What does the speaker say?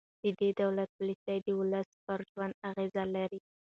د دولت پالیسۍ د ولس پر ژوند اغېز لري